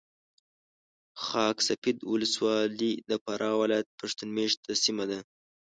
خاک سفید ولسوالي د فراه ولایت پښتون مېشته سیمه ده .